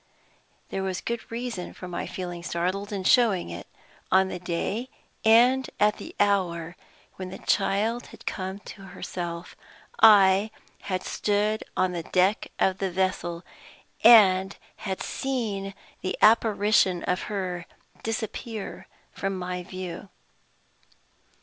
There was good reason for my feeling startled, and showing it. On the day and at the hour when the child had come to herself, I had stood on the deck of the vessel, and had seen the apparition of her disappear from my view.